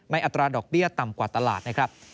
อัตราดอกเบี้ยต่ำกว่าตลาดนะครับ